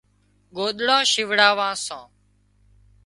ڳوۮڙان شِوڙاوان سان